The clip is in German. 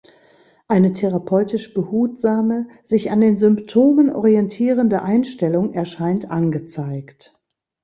Eine therapeutisch behutsame, sich an den Symptomen orientierende Einstellung erscheint angezeigt.